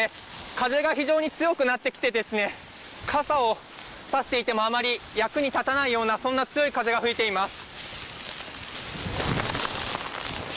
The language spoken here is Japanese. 風が非常に強くなってきて傘をさしていてもあまり役に立たないようなそんな強い風が吹いています。